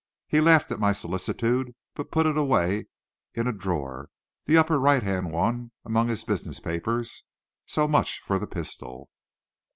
He laughed at my solicitude, but put it away in a drawer, the upper right hand one, among his business papers. So much for the pistol.